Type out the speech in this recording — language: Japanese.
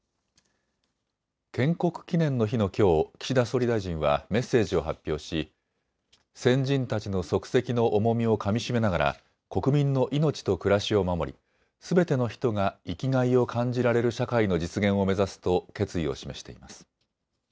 建国記念の日のきょう岸田総理大臣はメッセージを発表し先人たちの足跡の重みをかみしめながら国民の命と暮らしを守りすべての人が生きがいを感じられる社会の実現を目指すと決意を示しています。